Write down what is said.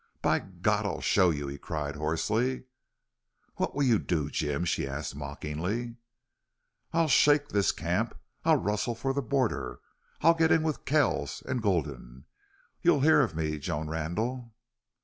"By God, I'll show you!" he cried, hoarsely. "What will you do, Jim?" she asked, mockingly. "I'll shake this camp. I'll rustle for the border. I'll get in with Kells and Gulden... You'll hear of me, Joan Randle!"